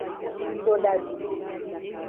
Sodabi.